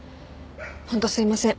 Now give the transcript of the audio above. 本当すいません。